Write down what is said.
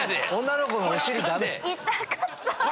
女の子のお尻ダメ。